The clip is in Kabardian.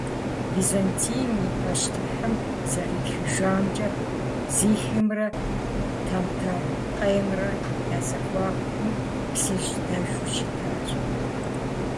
Византием и пащтыхьым зэритхыжамкӏэ, Зихиемрэ Тэмтэрэкъеймрэ я зэхуакум Псыжь дэжу щытащ.